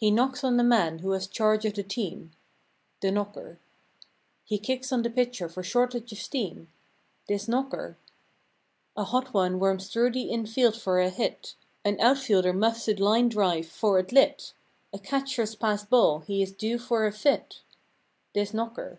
125 He knocks on the man who has charge of the team— The knocker; He kicks on the pitcher for "shortage of steam"— This knocker; A "hot one" worms through the infield for a hit; An outfielder muffs a line drive, 'fore it lit; A catcher's passed ball—he is due for a fit— This knocker.